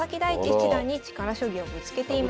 七段に力将棋をぶつけていました。